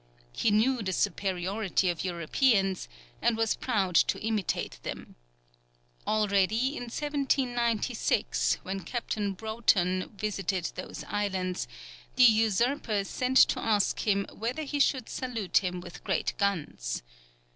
He knew the superiority of Europeans, and was proud to imitate them. Already, in 1796, when Captain Broughton visited those islands, the usurper sent to ask him whether he should salute him with great guns.